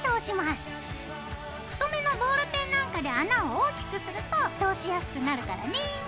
太めのボールペンなんかで穴を大きくすると通しやすくなるからね。